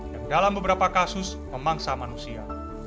yang dalam beberapa kasus memangsa manusia